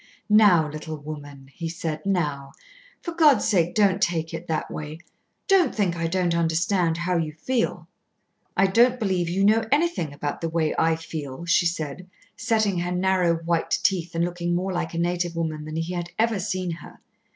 "Now, little woman," he said. "Now! For God's sake don't take it that way. Don't think I don't understand how you feel." "I don't believe you know anything about the way I feel," she said, setting her narrow white teeth and looking more like a native woman than he had ever seen her.